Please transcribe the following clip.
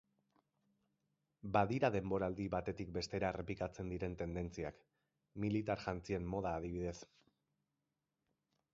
Badira denboraldi batetik bestera errepikatzen diren tendentziak, militar jantzien moda adibidez.